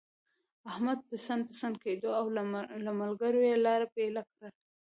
احمد پسن پسن کېدو، او له ملګرو يې لاره بېله کړه.